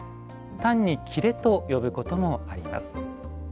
単に「裂」と呼ぶこともあります。